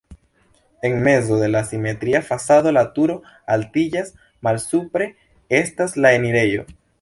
En mezo de la simetria fasado la turo altiĝas, malsupre estas la enirejo.